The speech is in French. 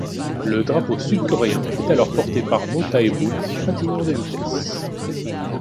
Le drapeau sud-coréen est alors porté par Mo Tae-bum, patineur de vitesse.